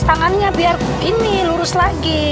tangannya biar ini lurus lagi